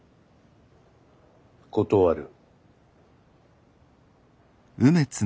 断る。